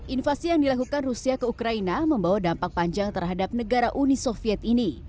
invasi yang dilakukan rusia ke ukraina membawa dampak panjang terhadap negara uni soviet ini